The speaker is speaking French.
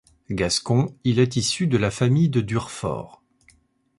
Gascon, il est issu de la famille de Durfort.